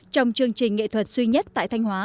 trong chương trình nghệ thuật duy nhất tại thanh hóa